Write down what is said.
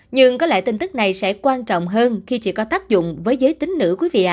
nhưng có lẽ tin tức này sẽ quan trọng hơn khi chỉ có tác dụng với giới tính nữ